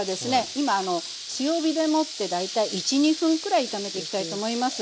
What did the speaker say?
今あの強火でもって大体１２分くらい炒めていきたいと思います。